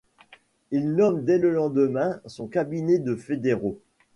Il nomme dès le lendemain son cabinet de fédéraux.